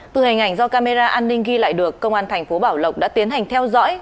từ hình ảnh do camera an ninh ghi lại được công an thành phố bảo lộc đã tiến hành theo dõi